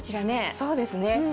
そうですね。